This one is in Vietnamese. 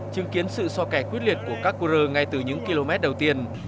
chứng kiến sự so kẻ quyết liệt của các cô rơ ngay từ những km đầu tiên